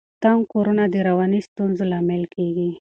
تنګ کورونه د رواني ستونزو لامل کیږي.